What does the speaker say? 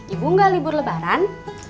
ibu gak libur lebaran